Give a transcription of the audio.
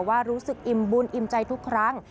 ว่ารู้สึกอิ่มบุญอิ่มใจทุกครั้ง